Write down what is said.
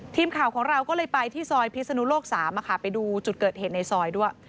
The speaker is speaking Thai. ทีมข่าวของเราก็เลยไปที่ซอยพิศนุโลก๓ไปดูจุดเกิดเหตุในซอยด้วย